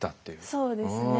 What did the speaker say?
そうですね。